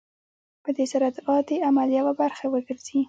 په دې سره دعا د عمل يوه برخه وګرځي.